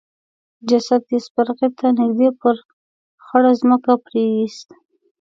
جسد يې سپرغي ته نږدې پر خړه ځمکه پريېست.